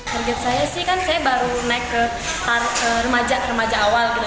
target saya sih kan saya baru naik ke remaja remaja awal gitu